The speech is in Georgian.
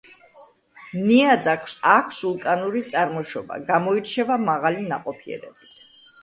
ნიადაგს აქვს ვულკანური წარმოშობა; გამოირჩევა მაღალი ნაყოფიერებით.